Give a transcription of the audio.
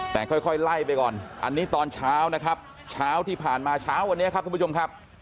แต่ค่อยไล่ไปก่อนอันนี้ตอนเช้านะครับเช้าที่ผ่านมาเช้าวันนี้ครับท่านผู้ชมครับ